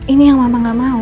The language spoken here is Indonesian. ini yang mama gak mau